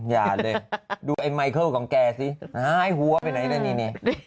อย่าเลยดูไอ้ไมเคิลของแกสิหายหัวไปไหนกันนี่